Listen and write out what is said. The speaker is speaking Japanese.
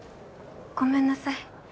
ごめんなさい